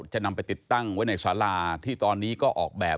จะนำไปติดตั้งไว้ในสาราที่ตอนนี้ก็ออกแบบ